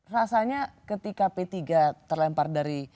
rasanya ketika p tiga terlempar dari